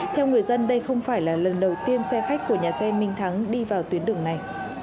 theo người dân đây không phải là lần đầu tiên xe khách của nhà xe minh thắng đi vào tuyến đường này